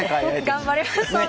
頑張ります！